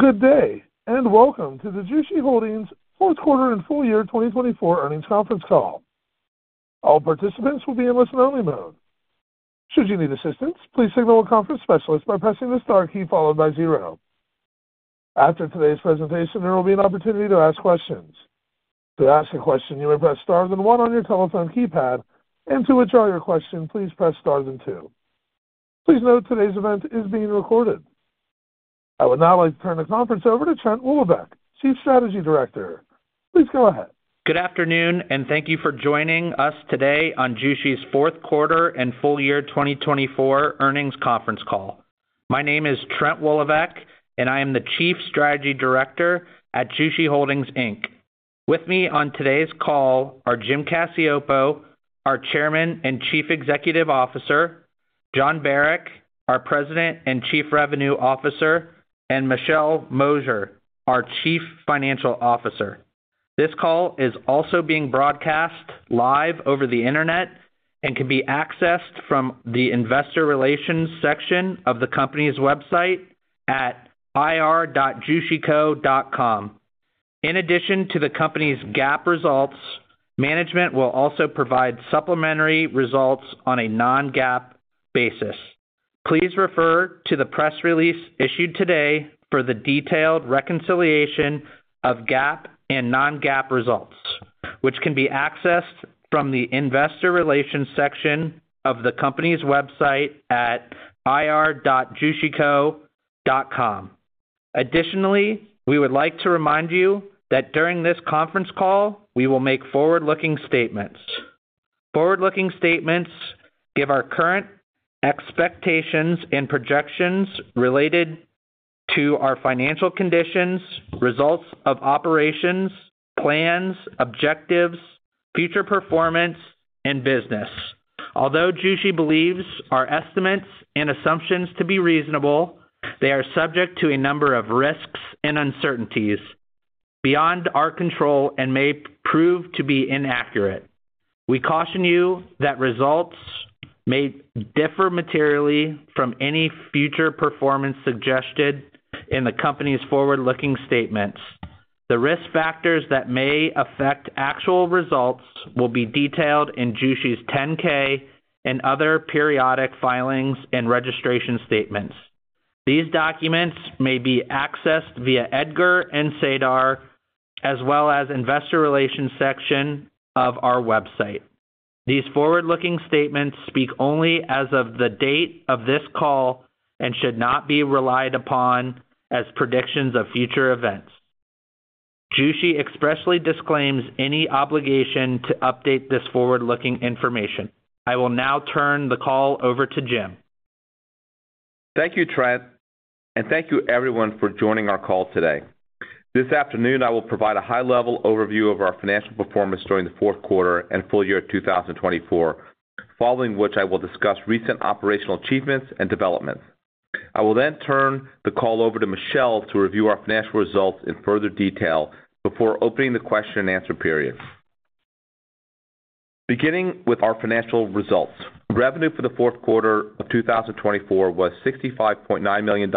Good day, and welcome to the Jushi Holdings fourth quarter and full year 2024 earnings conference call. All participants will be in listen-only mode. Should you need assistance, please signal a conference specialist by pressing the star key followed by zero. After today's presentation, there will be an opportunity to ask questions. To ask a question, you may press star then one on your telephone keypad, and to withdraw your question, please press star then two. Please note today's event is being recorded. I would now like to turn the conference over to Trent Woloveck, Chief Strategy Director. Please go ahead. Good afternoon, and thank you for joining us today on Jushi's fourth quarter and full year 2024 earnings conference call. My name is Trent Woloveck, and I am the Chief Strategy Director at Jushi Holdings Inc. With me on today's call are Jim Cacioppo, our Chairman and Chief Executive Officer; Jon Barack, our President and Chief Revenue Officer; and Michelle Mosier, our Chief Financial Officer. This call is also being broadcast live over the internet and can be accessed from the Investor Relations section of the company's website at ir.jushico.com. In addition to the company's GAAP results, management will also provide supplementary results on a non-GAAP basis. Please refer to the press release issued today for the detailed reconciliation of GAAP and non-GAAP results, which can be accessed from the Investor Relations section of the company's website at ir.jushico.com. Additionally, we would like to remind you that during this conference call, we will make forward-looking statements. Forward-looking statements give our current expectations and projections related to our financial conditions, results of operations, plans, objectives, future performance, and business. Although Jushi believes our estimates and assumptions to be reasonable, they are subject to a number of risks and uncertainties beyond our control and may prove to be inaccurate. We caution you that results may differ materially from any future performance suggested in the company's forward-looking statements. The risk factors that may affect actual results will be detailed in Jushi's 10-K and other periodic filings and registration statements. These documents may be accessed via EDGAR and SEDAR, as well as the Investor Relations section of our website. These forward-looking statements speak only as of the date of this call and should not be relied upon as predictions of future events. Jushi expressly disclaims any obligation to update this forward-looking information. I will now turn the call over to Jim. Thank you, Trent, and thank you, everyone, for joining our call today. This afternoon, I will provide a high-level overview of our financial performance during the fourth quarter and full year 2024, following which I will discuss recent operational achievements and developments. I will then turn the call over to Michelle to review our financial results in further detail before opening the question and answer period. Beginning with our financial results, revenue for the fourth quarter of 2024 was $65.9 million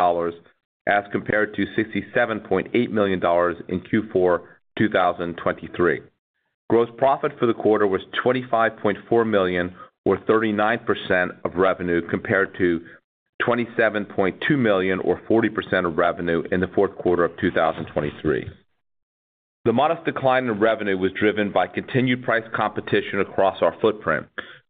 as compared to $67.8 million in Q4 2023. Gross profit for the quarter was $25.4 million, or 39% of revenue, compared to $27.2 million, or 40% of revenue, in the fourth quarter of 2023. The modest decline in revenue was driven by continued price competition across our footprint.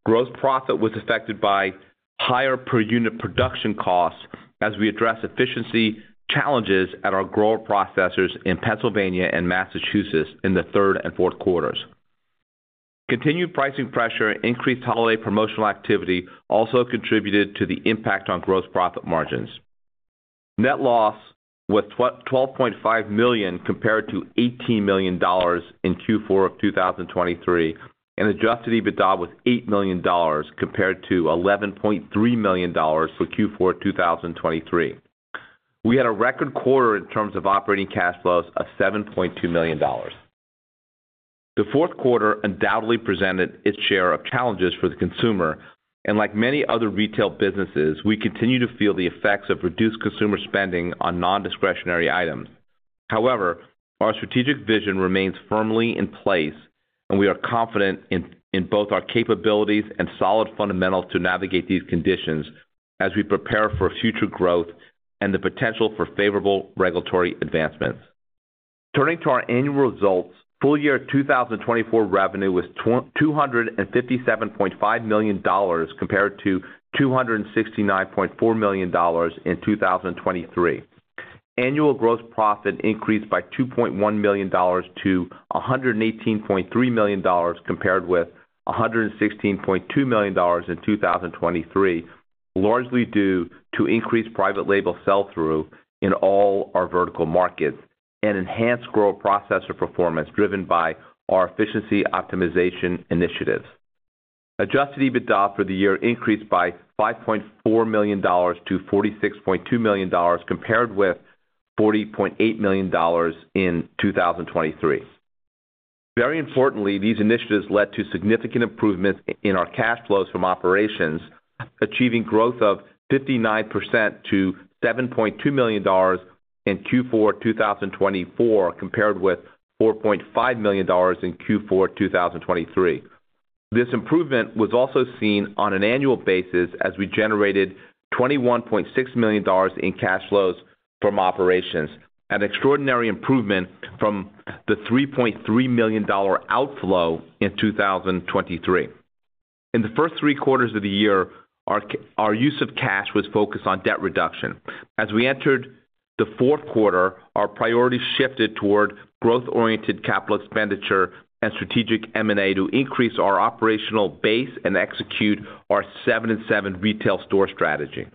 Gross profit was affected by higher per unit production costs as we addressed efficiency challenges at our grower processors in Pennsylvania and Massachusetts in the third and fourth quarters. Continued pricing pressure and increased holiday promotional activity also contributed to the impact on gross profit margins. Net loss was $12.5 million compared to $18 million in Q4 of 2023 and adjusted EBITDA was $8 million compared to $11.3 million for Q4 of 2023. We had a record quarter in terms of operating cash flows of $7.2 million. The fourth quarter undoubtedly presented its share of challenges for the consumer, and like many other retail businesses, we continue to feel the effects of reduced consumer spending on non-discretionary items. However, our strategic vision remains firmly in place, and we are confident in both our capabilities and solid fundamentals to navigate these conditions as we prepare for future growth and the potential for favorable regulatory advancements. Turning to our annual results, full year 2024 revenue was $257.5 million compared to $269.4 million in 2023. Annual gross profit increased by $2.1 million to $118.3 million compared with $116.2 million in 2023, largely due to increased private label sell-through in all our vertical markets and enhanced grower processor performance driven by our efficiency optimization initiatives. Adjusted EBITDA for the year increased by $5.4 million to $46.2 million compared with $40.8 million in 2023. Very importantly, these initiatives led to significant improvements in our cash flows from operations, achieving growth of 59% to $7.2 million in Q4 2024 compared with $4.5 million in Q4 2023. This improvement was also seen on an annual basis as we generated $21.6 million in cash flows from operations, an extraordinary improvement from the $3.3 million outflow in 2023. In the first three quarters of the year, our use of cash was focused on debt reduction. As we entered the fourth quarter, our priorities shifted toward growth-oriented capital expenditure and strategic M&A to increase our operational base and execute our 7&7 retail store strategy.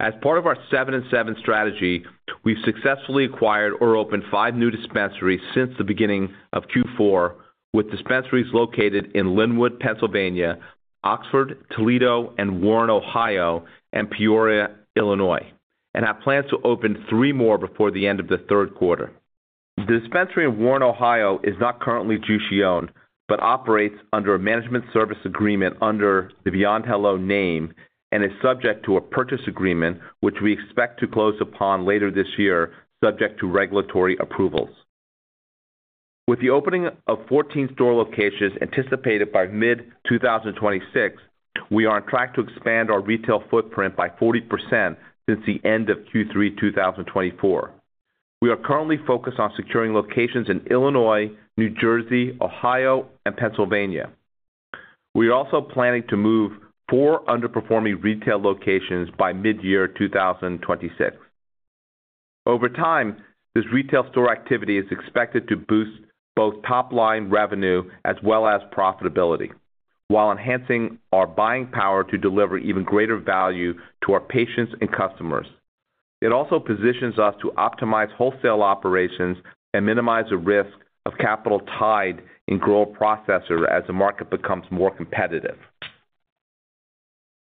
As part of our 7&7 strategy, we've successfully acquired or opened five new dispensaries since the beginning of Q4, with dispensaries located in Linwood, Pennsylvania, Oxford, Toledo, and Warren, Ohio, and Peoria, Illinois, and have plans to open three more before the end of the third quarter. The dispensary in Warren, Ohio, is not currently Jushi-owned but operates under a management service agreement under the Beyond Hello name and is subject to a purchase agreement, which we expect to close upon later this year, subject to regulatory approvals. With the opening of 14 store locations anticipated by mid-2026, we are on track to expand our retail footprint by 40% since the end of Q3 2024. We are currently focused on securing locations in Illinois, New Jersey, Ohio, and Pennsylvania. We are also planning to move four underperforming retail locations by mid-year 2026. Over time, this retail store activity is expected to boost both top-line revenue as well as profitability while enhancing our buying power to deliver even greater value to our patients and customers. It also positions us to optimize wholesale operations and minimize the risk of capital tied in grower processors as the market becomes more competitive.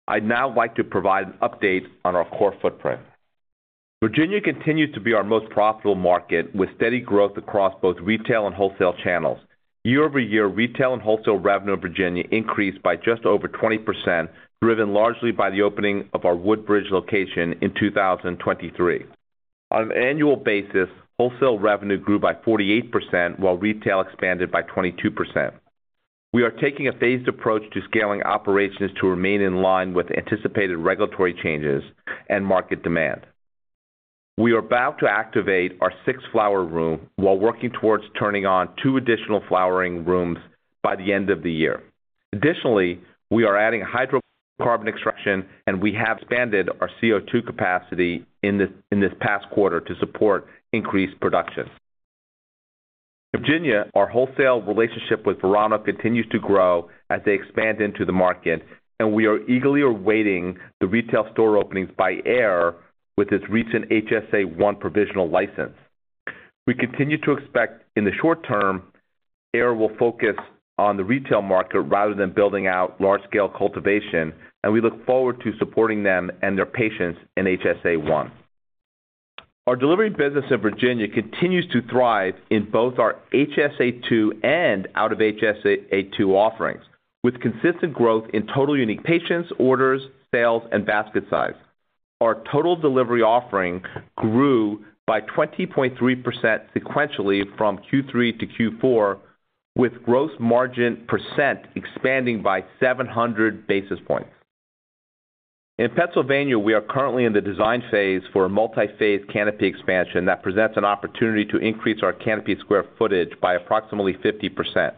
I'd now like to provide an update on our core footprint. Virginia continues to be our most profitable market, with steady growth across both retail and wholesale channels. Year-over-year, retail and wholesale revenue in Virginia increased by just over 20%, driven largely by the opening of our Woodbridge location in 2023. On an annual basis, wholesale revenue grew by 48%, while retail expanded by 22%. We are taking a phased approach to scaling operations to remain in line with anticipated regulatory changes and market demand. We are about to activate our sixth flower room while working towards turning on two additional flowering rooms by the end of the year. Additionally, we are adding hydrocarbon extraction, and we have expanded our CO2 capacity in this past quarter to support increased production. Virginia, our wholesale relationship with Verano continues to grow as they expand into the market, and we are eagerly awaiting the retail store openings by Ayr with its recent HSA1 provisional license. We continue to expect in the short term Ayr will focus on the retail market rather than building out large-scale cultivation, and we look forward to supporting them and their patients in HSA1. Our delivery business in Virginia continues to thrive in both our HSA2 and out-of-HSA2 offerings, with consistent growth in total unique patients, orders, sales, and basket size. Our total delivery offering grew by 20.3% sequentially from Q3 to Q4, with gross margin percent expanding by 700 basis points. In Pennsylvania, we are currently in the design phase for a multi-phase canopy expansion that presents an opportunity to increase our canopy square footage by approximately 50%.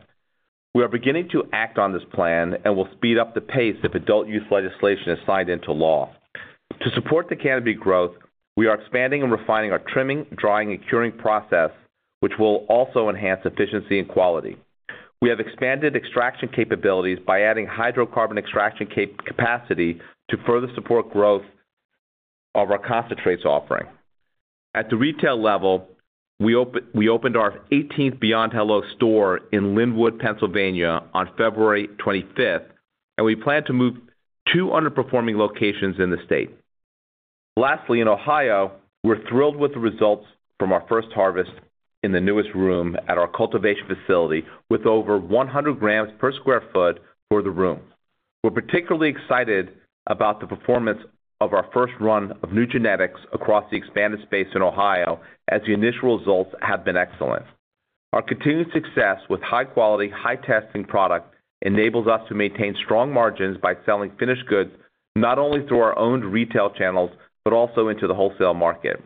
We are beginning to act on this plan and will speed up the pace if adult use legislation is signed into law. To support the canopy growth, we are expanding and refining our trimming, drying, and curing process, which will also enhance efficiency and quality. We have expanded extraction capabilities by adding hydrocarbon extraction capacity to further support growth of our concentrates offering. At the retail level, we opened our 18th Beyond Hello store in Linwood, Pennsylvania, on February 25th, and we plan to move two underperforming locations in the state. Lastly, in Ohio, we're thrilled with the results from our first harvest in the newest room at our cultivation facility with over 100 grams per sq ft for the room. We're particularly excited about the performance of our first run of new genetics across the expanded space in Ohio as the initial results have been excellent. Our continued success with high-quality, high-testing product enables us to maintain strong margins by selling finished goods not only through our own retail channels but also into the wholesale market.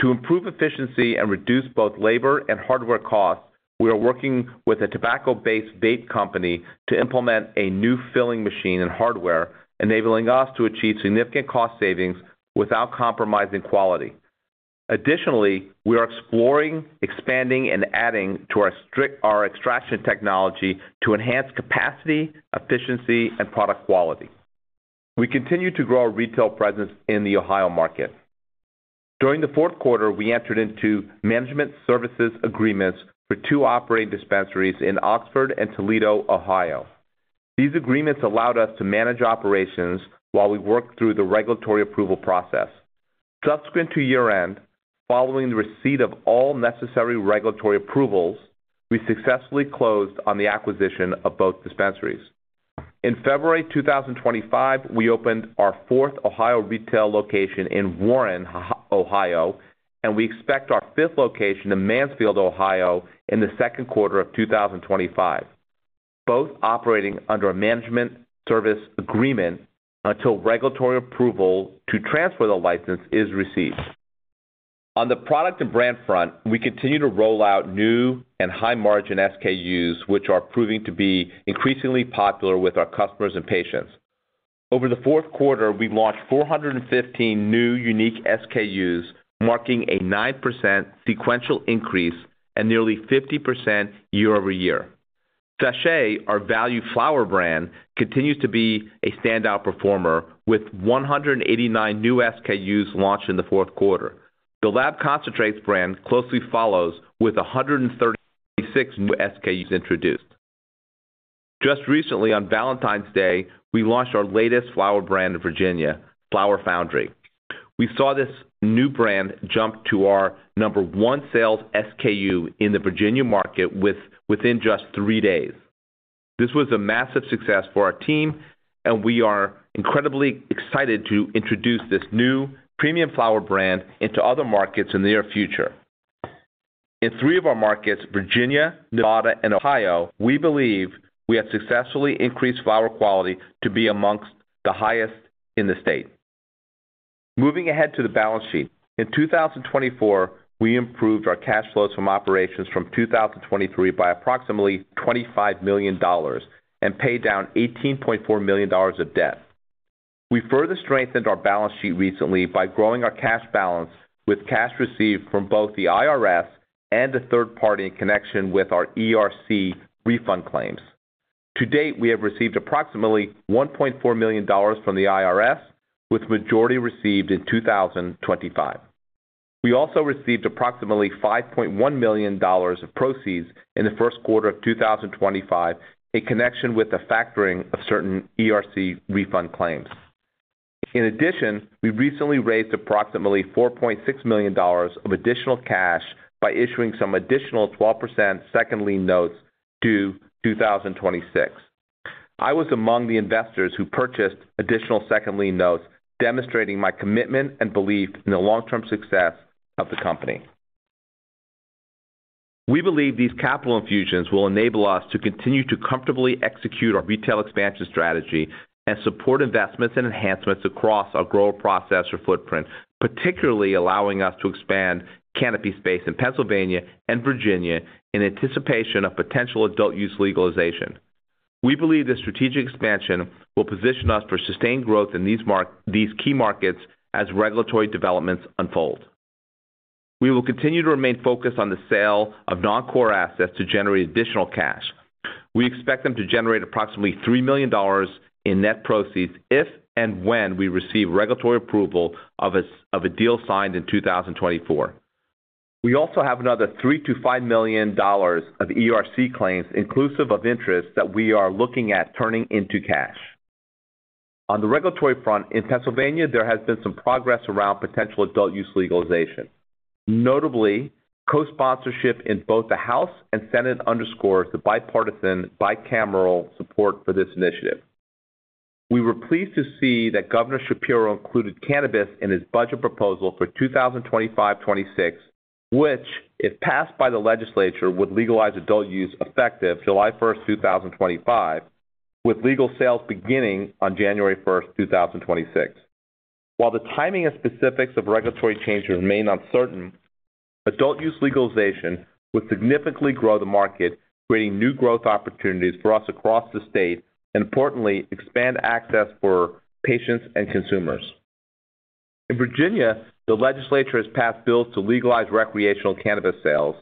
To improve efficiency and reduce both labor and hardware costs, we are working with a tobacco-based vape company to implement a new filling machine and hardware, enabling us to achieve significant cost savings without compromising quality. Additionally, we are exploring, expanding, and adding to our extraction technology to enhance capacity, efficiency, and product quality. We continue to grow our retail presence in the Ohio market. During the fourth quarter, we entered into management services agreements for two operating dispensaries in Oxford and Toledo, Ohio. These agreements allowed us to manage operations while we worked through the regulatory approval process. Subsequent to year-end, following the receipt of all necessary regulatory approvals, we successfully closed on the acquisition of both dispensaries. In February 2025, we opened our fourth Ohio retail location in Warren, Ohio, and we expect our fifth location in Mansfield, Ohio, in the second quarter of 2025, both operating under a management service agreement until regulatory approval to transfer the license is received. On the product and brand front, we continue to roll out new and high-margin SKUs, which are proving to be increasingly popular with our customers and patients. Over the fourth quarter, we launched 415 new unique SKUs, marking a 9% sequential increase and nearly 50% year-over-year. Seche, our value flower brand, continues to be a standout performer with 189 new SKUs launched in the fourth quarter. The Lab concentrates brand closely follows with 136 new SKUs introduced. Just recently, on Valentine's Day, we launched our latest flower brand in Virginia, Flower Foundry. We saw this new brand jump to our number one sales SKU in the Virginia market within just three days. This was a massive success for our team, and we are incredibly excited to introduce this new premium flower brand into other markets in the near future. In three of our markets, Virginia, Nevada, and Ohio, we believe we have successfully increased flower quality to be amongst the highest in the state. Moving ahead to the balance sheet, in 2024, we improved our cash flows from operations from 2023 by approximately $25 million and paid down $18.4 million of debt. We further strengthened our balance sheet recently by growing our cash balance with cash received from both the IRS and a third-party in connection with our ERC refund claims. To date, we have received approximately $1.4 million from the IRS, with the majority received in 2025. We also received approximately $5.1 million of proceeds in the first quarter of 2025, in connection with the factoring of certain ERC refund claims. In addition, we recently raised approximately $4.6 million of additional cash by issuing some additional 12% second lien notes due 2026. I was among the investors who purchased additional second lien notes, demonstrating my commitment and belief in the long-term success of the company. We believe these capital infusions will enable us to continue to comfortably execute our retail expansion strategy and support investments and enhancements across our grower processor footprint, particularly allowing us to expand canopy space in Pennsylvania and Virginia in anticipation of potential adult use legalization. We believe this strategic expansion will position us for sustained growth in these key markets as regulatory developments unfold. We will continue to remain focused on the sale of non-core assets to generate additional cash. We expect them to generate approximately $3 million in net proceeds if and when we receive regulatory approval of a deal signed in 2024. We also have another $3 million-$5 million of ERC claims, inclusive of interest, that we are looking at turning into cash. On the regulatory front, in Pennsylvania, there has been some progress around potential adult use legalization. Notably, co-sponsorship in both the House and Senate underscores the bipartisan, bicameral support for this initiative. We were pleased to see that Governor Shapiro included cannabis in his budget proposal for 2025-2026, which, if passed by the legislature, would legalize adult use effective July 1st, 2025, with legal sales beginning on January 1st, 2026. While the timing and specifics of regulatory changes remain uncertain, adult use legalization would significantly grow the market, creating new growth opportunities for us across the state and, importantly, expand access for patients and consumers. In Virginia, the legislature has passed bills to legalize recreational cannabis sales,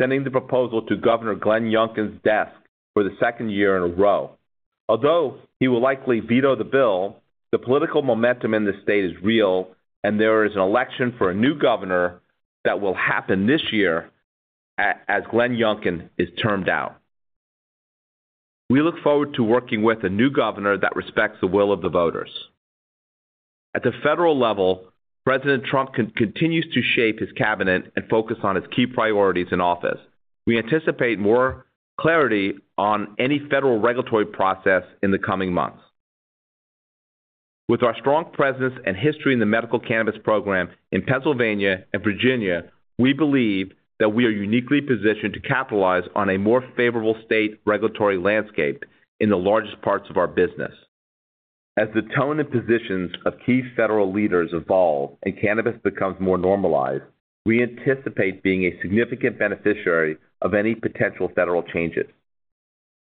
sending the proposal to Governor Glenn Youngkin's desk for the second year in a row. Although he will likely veto the bill, the political momentum in the state is real, and there is an election for a new governor that will happen this year as Glenn Youngkin is termed out. We look forward to working with a new governor that respects the will of the voters. At the federal level, President Trump continues to shape his cabinet and focus on his key priorities in office. We anticipate more clarity on any federal regulatory process in the coming months. With our strong presence and history in the medical cannabis program in Pennsylvania and Virginia, we believe that we are uniquely positioned to capitalize on a more favorable state regulatory landscape in the largest parts of our business. As the tone and positions of key federal leaders evolve and cannabis becomes more normalized, we anticipate being a significant beneficiary of any potential federal changes.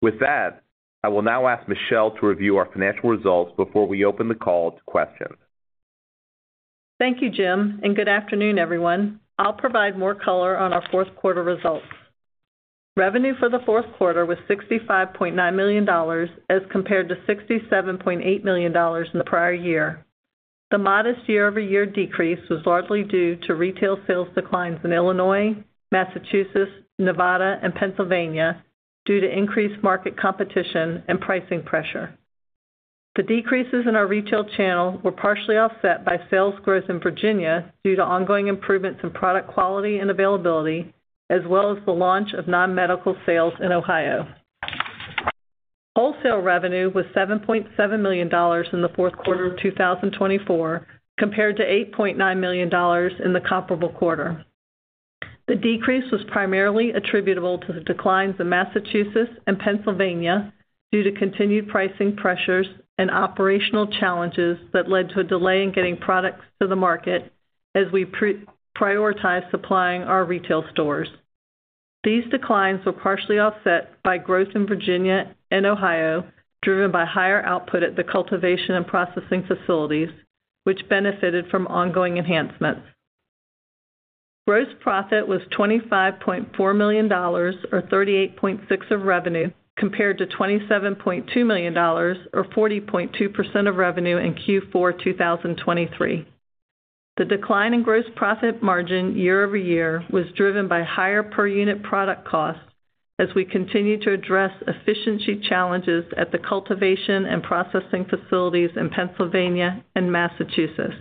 With that, I will now ask Michelle to review our financial results before we open the call to questions. Thank you, Jim. Good afternoon, everyone. I'll provide more color on our fourth quarter results. Revenue for the fourth quarter was $65.9 million as compared to $67.8 million in the prior year. The modest year-over-year decrease was largely due to retail sales declines in Illinois, Massachusetts, Nevada, and Pennsylvania due to increased market competition and pricing pressure. The decreases in our retail channel were partially offset by sales growth in Virginia due to ongoing improvements in product quality and availability, as well as the launch of non-medical sales in Ohio. Wholesale revenue was $7.7 million in the fourth quarter of 2024, compared to $8.9 million in the comparable quarter. The decrease was primarily attributable to the declines in Massachusetts and Pennsylvania due to continued pricing pressures and operational challenges that led to a delay in getting products to the market as we prioritized supplying our retail stores. These declines were partially offset by growth in Virginia and Ohio, driven by higher output at the cultivation and processing facilities, which benefited from ongoing enhancements. Gross profit was $25.4 million, or 38.6% of revenue, compared to $27.2 million, or 40.2% of revenue in Q4 2023. The decline in gross profit margin year-over-year was driven by higher per-unit product costs as we continue to address efficiency challenges at the cultivation and processing facilities in Pennsylvania and Massachusetts.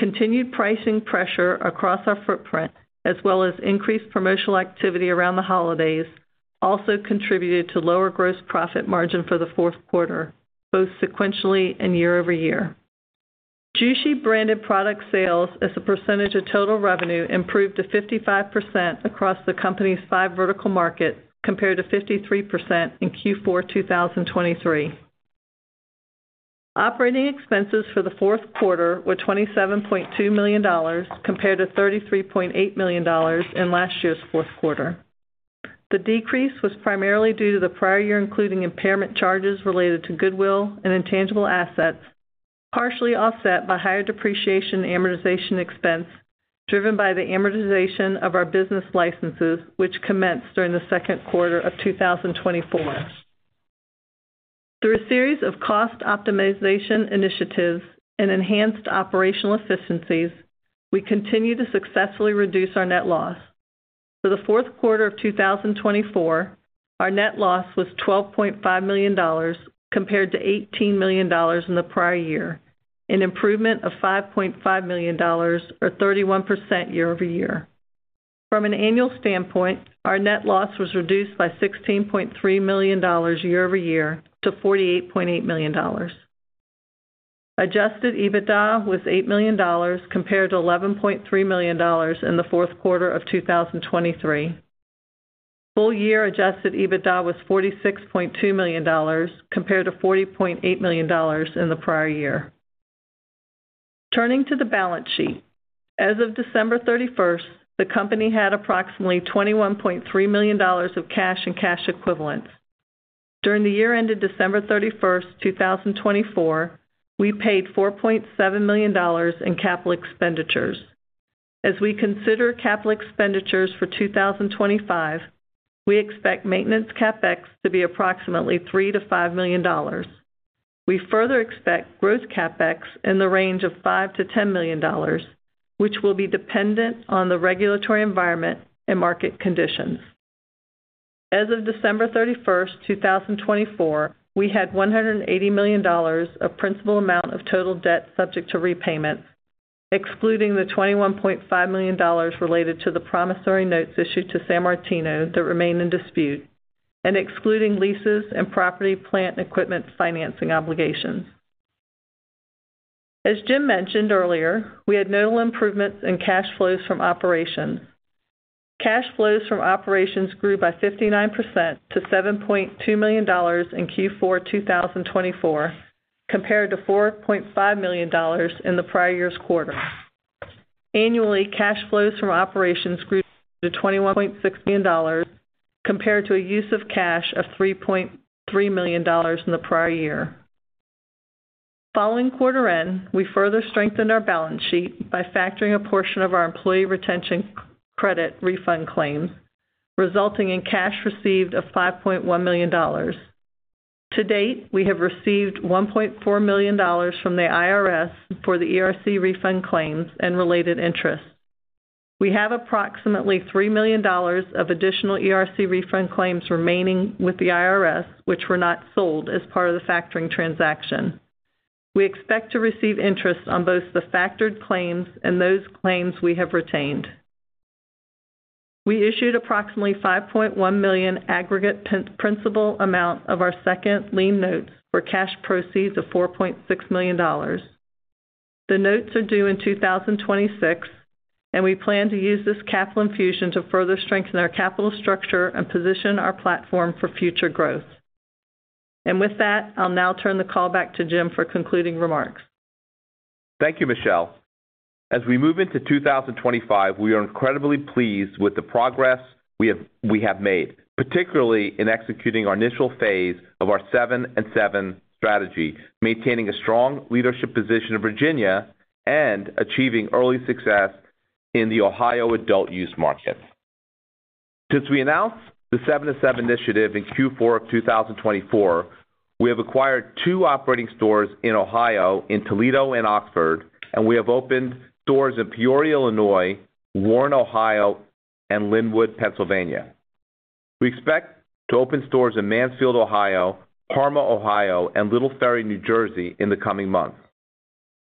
Continued pricing pressure across our footprint, as well as increased promotional activity around the holidays, also contributed to lower gross profit margin for the fourth quarter, both sequentially and year-over-year. Jushi branded product sales as a percentage of total revenue improved to 55% across the company's five vertical markets, compared to 53% in Q4 2023. Operating expenses for the fourth quarter were $27.2 million, compared to $33.8 million in last year's fourth quarter. The decrease was primarily due to the prior year, including impairment charges related to goodwill and intangible assets, partially offset by higher depreciation amortization expense driven by the amortization of our business licenses, which commenced during the second quarter of 2024. Through a series of cost optimization initiatives and enhanced operational efficiencies, we continue to successfully reduce our net loss. For the fourth quarter of 2024, our net loss was $12.5 million, compared to $18 million in the prior year, an improvement of $5.5 million, or 31% year-over-year. From an annual standpoint, our net loss was reduced by $16.3 million year-over-year to $48.8 million. Adjusted EBITDA was $8 million, compared to $11.3 million in the fourth quarter of 2023. Full-year Adjusted EBITDA was $46.2 million, compared to $40.8 million in the prior year. Turning to the balance sheet, as of December 31st, the company had approximately $21.3 million of cash and cash equivalents. During the year-end of December 31st, 2024, we paid $4.7 million in capital expenditures. As we consider capital expenditures for 2025, we expect maintenance CapEx to be approximately $3 million-$5 million. We further expect growth CapEx in the range of $5 million-$10 million, which will be dependent on the regulatory environment and market conditions. As of December 31st, 2024, we had $180 million of principal amount of total debt subject to repayment, excluding the $21.5 million related to the promissory notes issued to San Martino that remain in dispute, and excluding leases and property plant equipment financing obligations. As Jim mentioned earlier, we had notable improvements in cash flows from operations. Cash flows from operations grew by 59% to $7.2 million in Q4 2024, compared to $4.5 million in the prior year's quarter. Annually, cash flows from operations grew to $21.6 million, compared to a use of cash of $3.3 million in the prior year. Following quarter-end, we further strengthened our balance sheet by factoring a portion of our employee retention credit refund claims, resulting in cash received of $5.1 million. To date, we have received $1.4 million from the IRS for the ERC refund claims and related interest. We have approximately $3 million of additional ERC refund claims remaining with the IRS, which were not sold as part of the factoring transaction. We expect to receive interest on both the factored claims and those claims we have retained. We issued approximately $5.1 million aggregate principal amount of our second lien notes for cash proceeds of $4.6 million. The notes are due in 2026, and we plan to use this capital infusion to further strengthen our capital structure and position our platform for future growth. I will now turn the call back to Jim for concluding remarks. Thank you, Michelle. As we move into 2025, we are incredibly pleased with the progress we have made, particularly in executing our initial phase of our seven-and-seven strategy, maintaining a strong leadership position in Virginia, and achieving early success in the Ohio adult use market. Since we announced the seven-and-seven initiative in Q4 of 2024, we have acquired two operating stores in Ohio, in Toledo and Oxford, and we have opened stores in Peoria, Illinois, Warren, Ohio, and Linwood, Pennsylvania. We expect to open stores in Mansfield, Ohio, Parma, Ohio, and Little Ferry, New Jersey, in the coming months.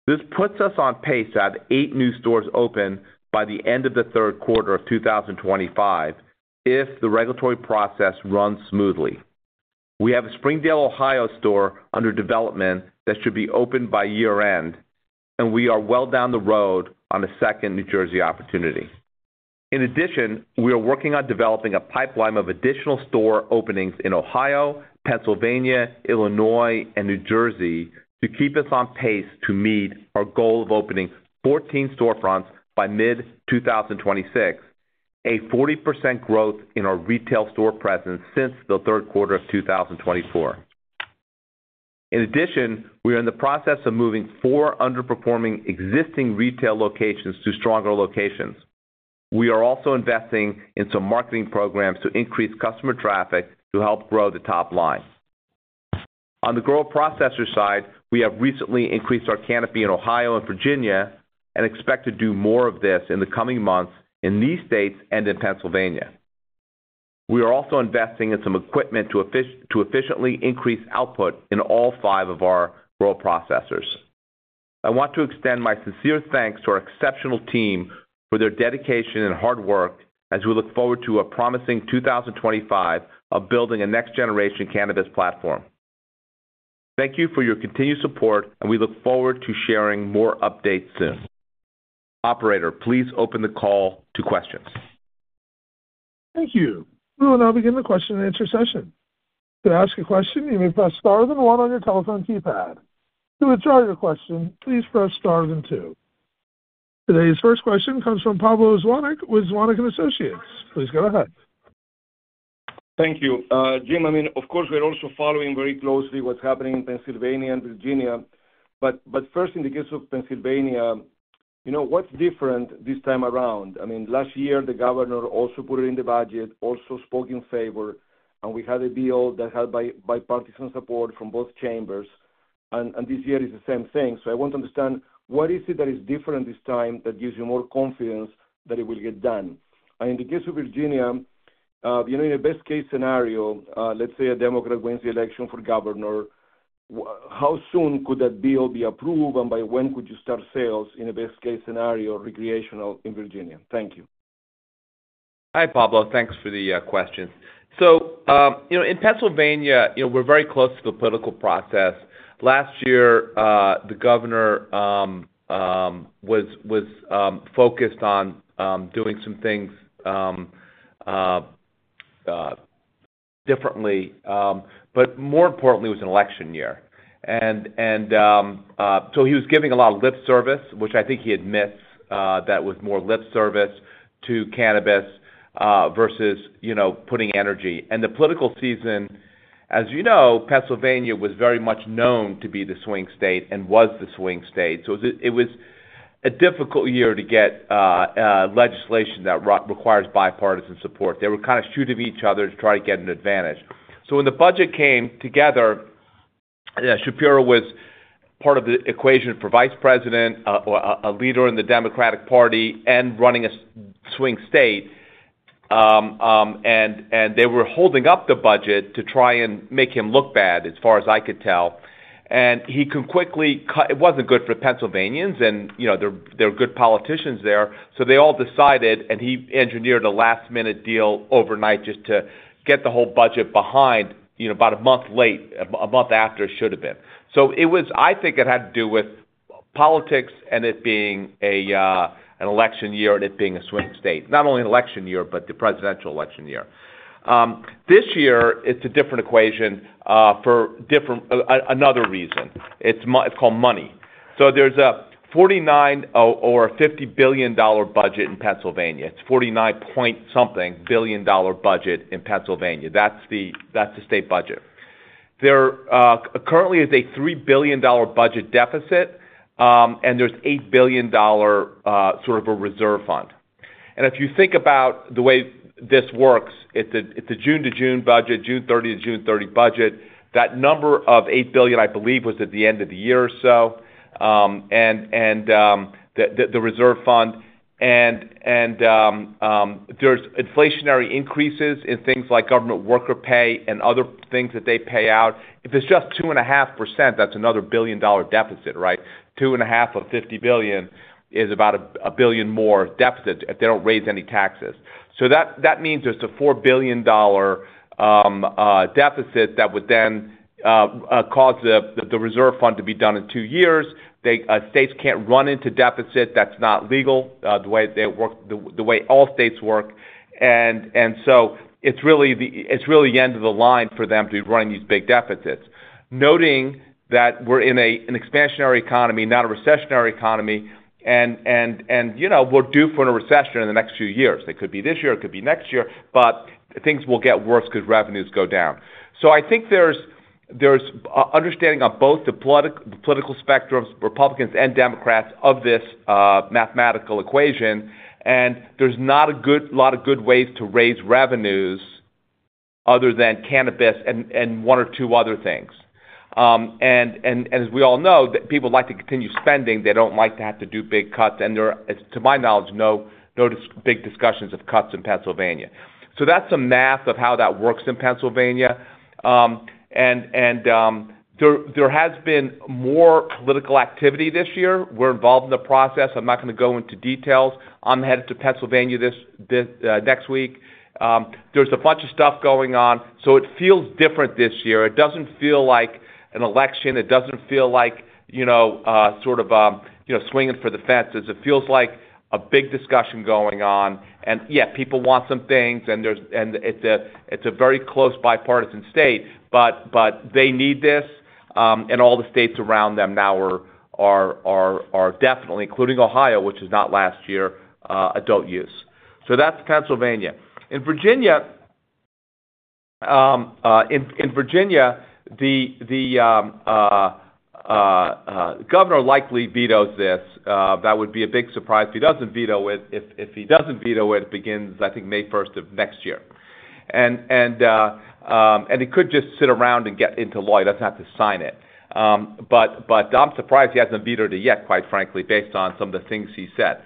This puts us on pace to have eight new stores open by the end of the third quarter of 2025 if the regulatory process runs smoothly. We have a Springdale, Ohio store under development that should be open by year-end, and we are well down the road on a second New Jersey opportunity. In addition, we are working on developing a pipeline of additional store openings in Ohio, Pennsylvania, Illinois, and New Jersey to keep us on pace to meet our goal of opening 14 storefronts by mid-2026, a 40% growth in our retail store presence since the third quarter of 2024. In addition, we are in the process of moving four underperforming existing retail locations to stronger locations. We are also investing in some marketing programs to increase customer traffic to help grow the top line. On the grower processor side, we have recently increased our canopy in Ohio and Virginia and expect to do more of this in the coming months in these states and in Pennsylvania. We are also investing in some equipment to efficiently increase output in all five of our grower processors. I want to extend my sincere thanks to our exceptional team for their dedication and hard work as we look forward to a promising 2025 of building a next-generation cannabis platform. Thank you for your continued support, and we look forward to sharing more updates soon. Operator, please open the call to questions. Thank you. We will now begin the question-and-answer session. To ask a question, you may press star then one on your telephone keypad. To withdraw your question, please press star then two. Today's first question comes from Pablo Zuanic with Zuanic & Associates. Please go ahead. Thank you. Jim, I mean, of course, we're also following very closely what's happening in Pennsylvania and Virginia. First, in the case of Pennsylvania, what's different this time around? I mean, last year, the governor also put it in the budget, also spoke in favor, and we had a bill that had bipartisan support from both chambers. This year is the same thing. I want to understand what is it that is different this time that gives you more confidence that it will get done. In the case of Virginia, in a best-case scenario, let's say a Democrat wins the election for governor, how soon could that bill be approved, and by when could you start sales, in a best-case scenario, recreational in Virginia? Thank you. Hi, Pablo. Thanks for the questions. In Pennsylvania, we're very close to the political process. Last year, the governor was focused on doing some things differently. More importantly, it was an election year. He was giving a lot of lip service, which I think he admits that was more lip service to cannabis versus putting energy. The political season, as you know, Pennsylvania was very much known to be the swing state and was the swing state. It was a difficult year to get legislation that requires bipartisan support. They were kind of shooting each other to try to get an advantage. When the budget came together, Shapiro was part of the equation for vice president, a leader in the Democratic Party, and running a swing state. They were holding up the budget to try and make him look bad, as far as I could tell. He could quickly cut it wasn't good for Pennsylvanians, and they're good politicians there. They all decided, and he engineered a last-minute deal overnight just to get the whole budget behind about a month late, a month after it should have been. I think it had to do with politics and it being an election year and it being a swing state, not only an election year but the presidential election year. This year, it's a different equation for another reason. It's called money. There's a $49 billion or $50 billion budget in Pennsylvania. It's $49 point something billion dollar budget in Pennsylvania. That's the state budget. There currently is a $3 billion budget deficit, and there's $8 billion sort of a reserve fund. If you think about the way this works, it's a June to June budget, June 30 to June 30 budget. That number of $8 billion, I believe, was at the end of the year or so, and the reserve fund. There's inflationary increases in things like government worker pay and other things that they pay out. If it's just 2.5%, that's another billion dollar deficit, right? 2.5% of $50 billion is about a billion more deficit if they don't raise any taxes. That means there's a $4 billion deficit that would then cause the reserve fund to be done in two years. States can't run into deficit. That's not legal the way all states work. It is really the end of the line for them to be running these big deficits, noting that we're in an expansionary economy, not a recessionary economy. We're due for a recession in the next few years. It could be this year. It could be next year. Things will get worse because revenues go down. I think there's understanding on both the political spectrums, Republicans and Democrats, of this mathematical equation. There are not a lot of good ways to raise revenues other than cannabis and one or two other things. As we all know, people like to continue spending. They do not like to have to do big cuts. There are, to my knowledge, no big discussions of cuts in Pennsylvania. That is some math of how that works in Pennsylvania. There has been more political activity this year. We're involved in the process. I'm not going to go into details. I'm headed to Pennsylvania next week. There's a bunch of stuff going on. It feels different this year. It doesn't feel like an election. It doesn't feel like sort of swinging for the fences. It feels like a big discussion going on. Yeah, people want some things, and it's a very close bipartisan state. They need this. All the states around them now are definitely, including Ohio, which is not last year, adult use. That's Pennsylvania. In Virginia, the governor likely vetoes this. That would be a big surprise if he doesn't veto it. If he doesn't veto it, it begins, I think, May 1st of next year. He could just sit around and get into law. He doesn't have to sign it. I'm surprised he hasn't vetoed it yet, quite frankly, based on some of the things he said.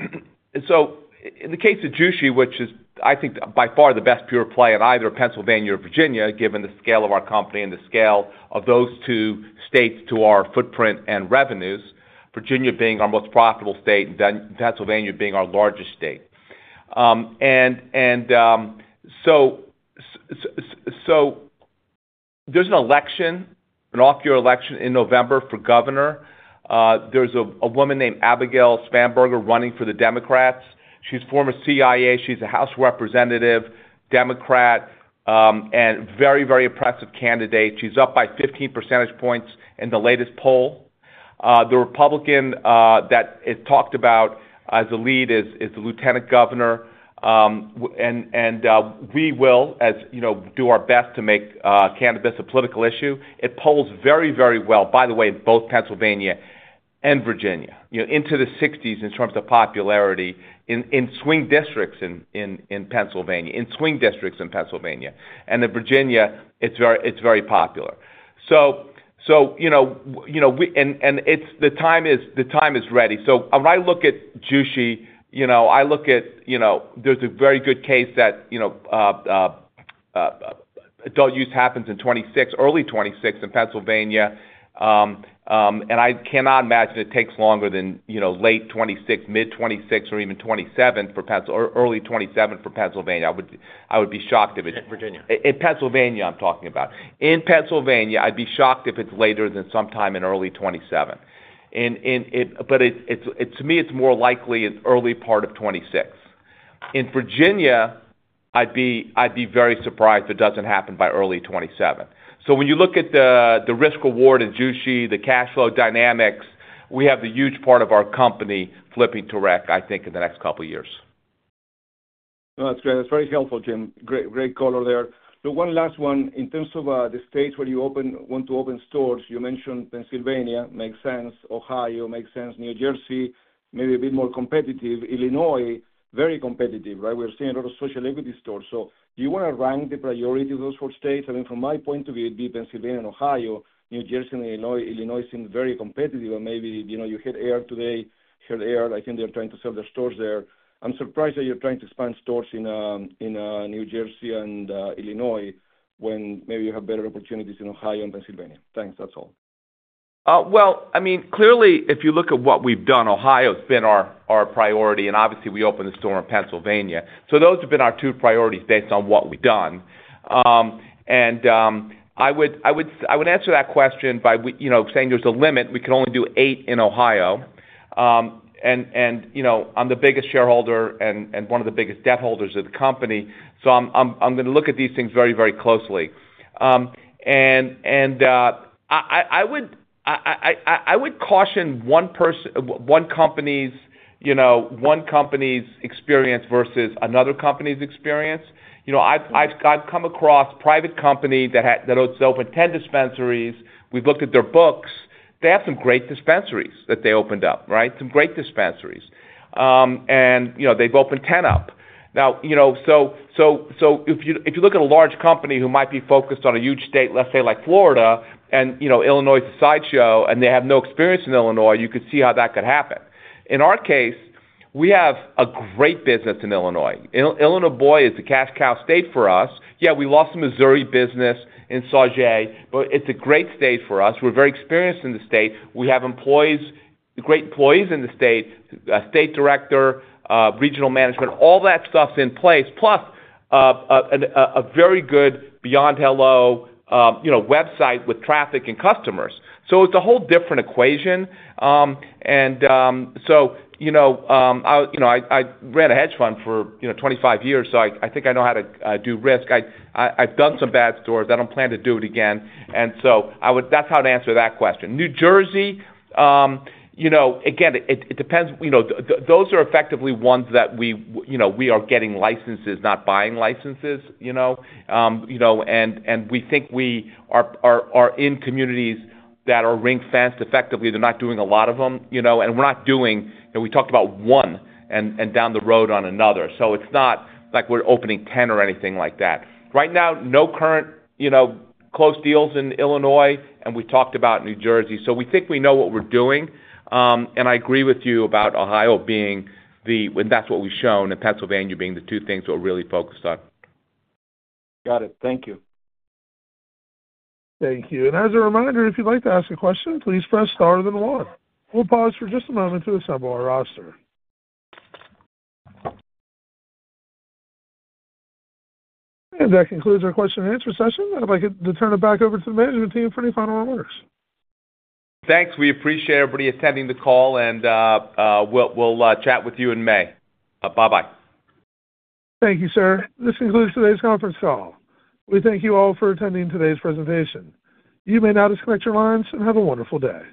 In the case of Jushi, which is, I think, by far the best pure play in either Pennsylvania or Virginia, given the scale of our company and the scale of those two states to our footprint and revenues, Virginia being our most profitable state and Pennsylvania being our largest state. There is an off-year election in November for governor. There is a woman named Abigail Spanberger running for the Democrats. She's former CIA. She's a House representative, Democrat, and very, very impressive candidate. She's up by 15 percentage points in the latest poll. The Republican that is talked about as the lead is the lieutenant governor. We will do our best to make cannabis a political issue. It polls very, very well, by the way, in both Pennsylvania and Virginia, into the 60s in terms of popularity in swing districts in Pennsylvania. In Virginia, it's very popular. The time is ready. When I look at Jushi, I look at there's a very good case that adult use happens in early 2026 in Pennsylvania. I cannot imagine it takes longer than late 2026, mid-2026, or even early 2027 for Pennsylvania. I would be shocked if it's in Pennsylvania, I'm talking about. In Pennsylvania, I'd be shocked if it's later than sometime in early 2027. To me, it's more likely in early part of 2026. In Virginia, I'd be very surprised if it doesn't happen by early 2027. When you look at the risk-reward in Jushi, the cash flow dynamics, we have the huge part of our company flipping to rec, I think, in the next couple of years. No, that's great. That's very helpful, Jim. Great color there. One last one. In terms of the states where you want to open stores, you mentioned Pennsylvania. Makes sense. Ohio makes sense. New Jersey, maybe a bit more competitive. Illinois, very competitive, right? We're seeing a lot of social equity stores. Do you want to rank the priority of those four states? I mean, from my point of view, it'd be Pennsylvania and Ohio. New Jersey and Illinois. Illinois seemed very competitive. Maybe you hit Ayr today, hit Ayr. I think they're trying to sell their stores there. I'm surprised that you're trying to expand stores in New Jersey and Illinois when maybe you have better opportunities in Ohio and Pennsylvania. Thanks. That's all. I mean, clearly, if you look at what we've done, Ohio has been our priority. Obviously, we opened the store in Pennsylvania. Those have been our two priorities based on what we've done. I would answer that question by saying there's a limit. We can only do eight in Ohio. I'm the biggest shareholder and one of the biggest debt holders of the company. I'm going to look at these things very, very closely. I would caution one company's experience versus another company's experience. I've come across a private company that owns 10 dispensaries. We've looked at their books. They have some great dispensaries that they opened up, right? Some great dispensaries. They've opened 10 up. Now, if you look at a large company who might be focused on a huge state, let's say like Florida, and Illinois is a sideshow, and they have no experience in Illinois, you could see how that could happen. In our case, we have a great business in Illinois. Illinois, boy, is a cash cow state for us. Yeah, we lost the Missouri business in Sauget, but it's a great state for us. We're very experienced in the state. We have great employees in the state, a state director, regional management, all that stuff in place, plus a very good Beyond Hello website with traffic and customers. It's a whole different equation. I ran a hedge fund for 25 years, so I think I know how to do risk. I've done some bad stores. I don't plan to do it again. That is how to answer that question. New Jersey, again, it depends. Those are effectively ones that we are getting licenses, not buying licenses. We think we are in communities that are ring-fenced effectively. They are not doing a lot of them. We are not doing—we talked about one and down the road on another. It is not like we are opening 10 or anything like that. Right now, no current close deals in Illinois, and we talked about New Jersey. We think we know what we are doing. I agree with you about Ohio being the—and that is what we have shown, and Pennsylvania being the two things we are really focused on. Got it. Thank you. Thank you. As a reminder, if you would like to ask a question, please press star then one. We will pause for just a moment to assemble our roster. That concludes our question-and-answer session. I'd like to turn it back over to the management team for any final remarks. Thanks. We appreciate everybody attending the call. We'll chat with you in May. Bye-bye. Thank you, sir. This concludes today's conference call. We thank you all for attending today's presentation. You may now disconnect your lines and have a wonderful day.